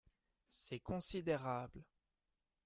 C’est considérable.